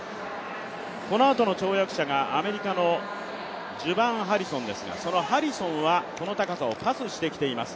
このあとの跳躍者がアメリカのジュバーン・ハリソンですがそのハリソンはこの高さをパスしてきています。